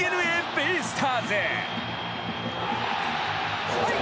ベイスターズ